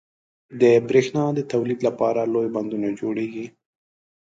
• د برېښنا د تولید لپاره لوی بندونه جوړېږي.